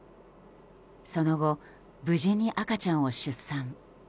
その後、無事に赤ちゃんを出産。